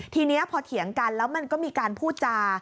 ทีนี้พอเถียงกันแล้วมันก็มีการพูดจา